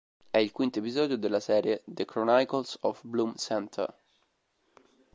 È il quinto episodio della serie "The Chronicles of Bloom Center".